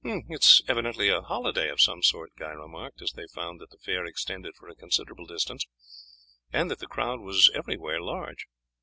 "It is evidently a holiday of some sort," Guy remarked, as they found that the fair extended for a considerable distance, and that the crowd was everywhere large.